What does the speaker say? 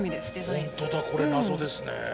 ホントだこれ謎ですね。